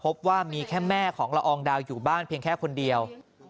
พบว่ามีแค่แม่ของละอองดาวอยู่บ้านเพียงแค่คนเดียว